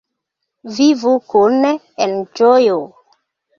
Vivu kune en ĝojo!